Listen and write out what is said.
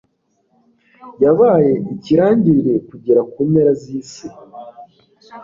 yabaye ikirangirire kugera ku mpera z'isi